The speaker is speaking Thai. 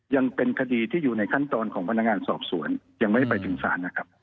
ยังเป็นคดีที่อยู่ในขั้นตอนของพนักงานสอบสวนยังไม่ได้ไปถึงศาลนะครับ